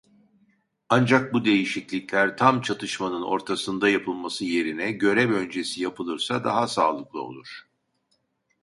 Ancak bu değişiklikler tam çatışmanın ortasında yapılması yerine görev öncesi yapılırsa daha sağlıklı olur.